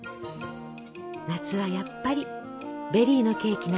夏はやっぱりベリーのケーキなんですね！